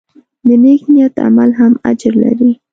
د نیک نیت عمل هم اجر لري.